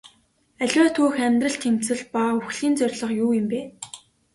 Аливаа түүх амьдрал тэмцэл ба үхлийн зорилго юу юм бэ?